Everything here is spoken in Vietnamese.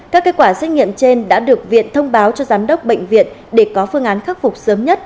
các kết quả xét nghiệm trên đã được viện thông báo cho giám đốc bệnh viện để có phương án khắc phục sớm nhất